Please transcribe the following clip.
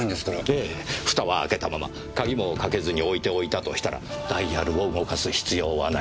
ええフタは開けたままカギもかけずに置いておいたとしたらダイヤルを動かす必要はない。